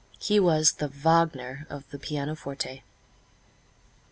He was the Wagner of the pianoforte.